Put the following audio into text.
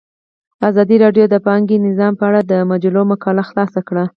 ازادي راډیو د بانکي نظام په اړه د مجلو مقالو خلاصه کړې.